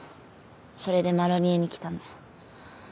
それでマロニエに来たの。